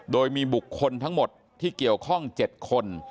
โดยมีบุคคลทั้งหมดที่เกี่ยวข้อง๗คน